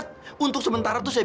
bukan pada pas dia argomu